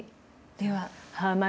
では。